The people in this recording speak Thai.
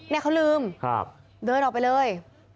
นี่เขาลืมเดินออกไปเลย